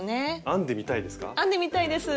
編んでみたいです！